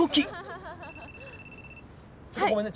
ちょっとごめんね。